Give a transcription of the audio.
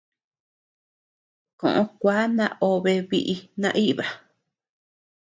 Koʼö kua naobe biʼi naíba.